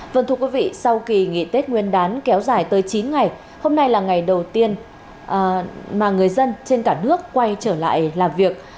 vâng thưa quý vị sau kỳ nghỉ tết nguyên đán kéo dài tới chín ngày hôm nay là ngày đầu tiên mà người dân trên cả nước quay trở lại làm việc